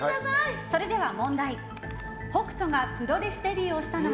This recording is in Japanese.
それでは問題。